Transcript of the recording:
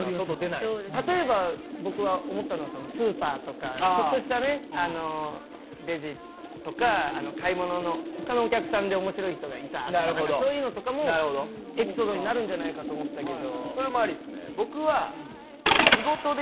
例えば僕が思ったのはスーパーとか、ちょっとしたレジとか、買い物の他のお客さんで面白い人がいたとかいうのもエピソードになるんじゃないかと思ってるんですけど。